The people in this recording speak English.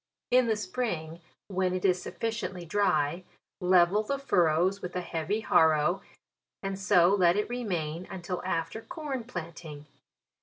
In the spring, when it is sufficiently dry, level the furrows with a heavy harrow, and so lei it remain until after corn planting.